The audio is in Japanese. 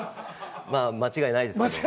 まあ間違いないですけど。